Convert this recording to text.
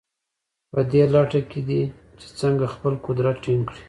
په دې لټه کې دي چې څنګه خپل قدرت ټینګ کړي.